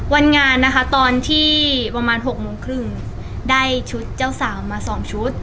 วันงานนะคะตอนที่ประมาณ๖โมงครึ่งได้ชุดเจ้าสาวมา๒ชุด